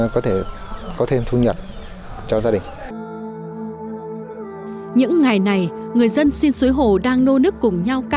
có thể có thêm thu nhật cho gia đình những ngày này người dân xin suối hồ đang nô nức cùng nhau ca hát